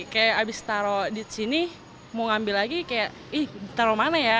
kayak abis taruh di sini mau ngambil lagi kayak ih taruh mana ya